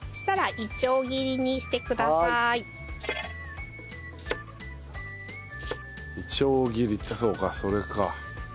いちょう切りってそうかそれか。